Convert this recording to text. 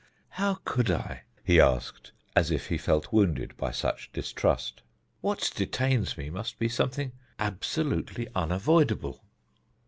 "How could I?" he asked, as if he felt wounded by such distrust. "What detains me must be something absolutely unavoidable."